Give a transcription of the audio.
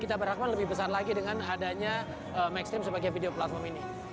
kita berharap lebih besar lagi dengan adanya mainstream sebagai video platform ini